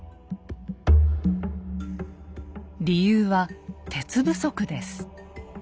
理由は鉄不足です。